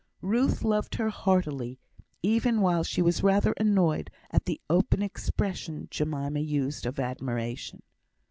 Ruth loved her heartily, even while she was rather annoyed at the open expressions Jemima used of admiration.